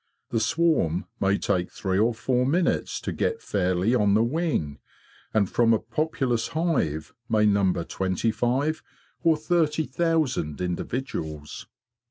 The swarm may take three or four minutes to get fairly on the wing; and, from a populous hive, may number twenty five or thirty thousand individuals.